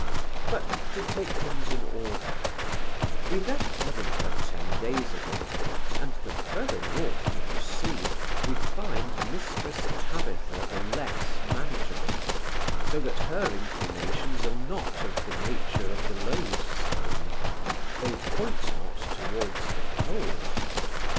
But, to take things in order We left Edinburgh ten days ago; and the further North we proceed, we find Mrs Tabitha the less manageable; so that her inclinations are not of the nature of the loadstone; they point not towards the pole.